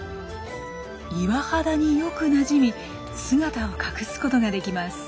岩肌によくなじみ姿を隠すことができます。